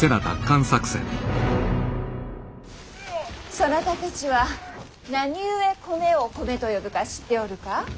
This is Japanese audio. そなたたちは何故米を米と呼ぶか知っておるか？